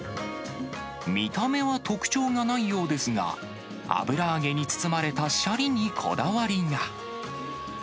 見た目は特徴がないようですが、油揚げに包まれたしゃりにこだわりが。